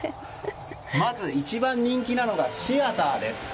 まず、一番人気なのがシアターです。